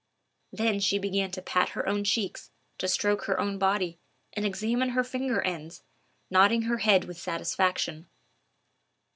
Then she began to pat her own cheeks, to stroke her own body, and examine her finger ends, nodding her head with satisfaction.